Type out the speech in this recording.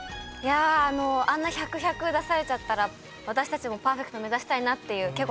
いやあんな１００１００出されちゃったら私たちもパーフェクト目指したいなっていう。